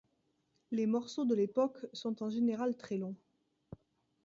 Les morceaux de l'époque sont en général très longs.